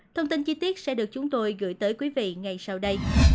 thông tin chi tiết sẽ được chúng tôi gửi tới quý vị ngay sau đây